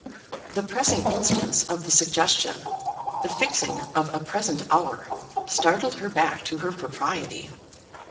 The pressing instance of the suggestion, the fixing of a present hour, startled her back to her propriety.